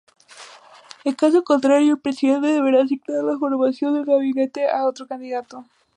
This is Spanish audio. En caso contrario, el Presidente deberá asignar la formación del Gabinete a otro candidato.